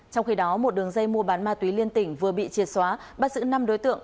trong khi đó một đường dây mua bán ma túy liên tỉnh vừa bị triệt xóa bắt giữ năm đối tượng